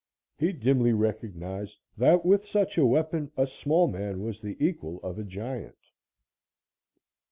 He dimly recognized that with such a weapon a small man was the equal of a giant.